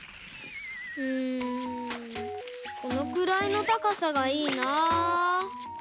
んこのくらいのたかさがいいな。